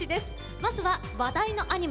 まずは話題のアニメ